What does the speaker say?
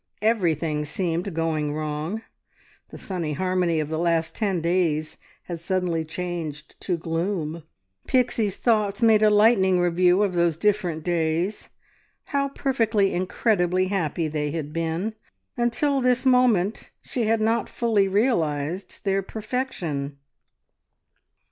Everything seemed going wrong! The sunny harmony of the last ten days had suddenly changed to gloom. Pixie's thoughts made a lightning review of those different days. How perfectly, incredibly happy they had been! Until this moment she had not fully realised their perfection.